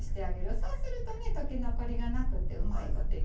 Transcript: そうするとね溶け残りがなくってうまいこといくんですわ。